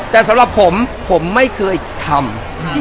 แต่สำหรับผมผมไม่เคยทำ